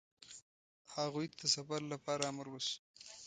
هغوی ته د سفر لپاره امر وشو.